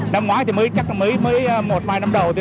năm ngoái chắc một hai năm đầu